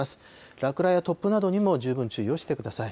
落雷や突風などにも十分注意をしてください。